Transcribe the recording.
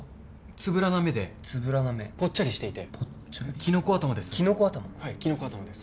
つぶらな目でつぶらな目ぽっちゃりしていてぽっちゃりきのこ頭です